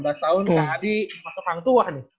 kak hadi masuk hang tuhan nih